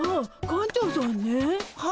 館長さん？